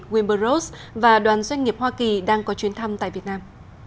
wimber rose và đoàn doanh nghiệp hoa kỳ đang có chuyến thăm tại việt nam